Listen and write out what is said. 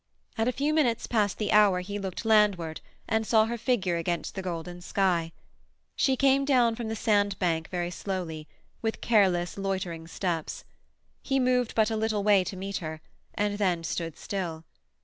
At a few minutes past the hour he looked landward, and saw her figure against the golden sky. She came down from the sandbank very slowly, with careless, loitering steps. He moved but a little way to meet her, and then stood still.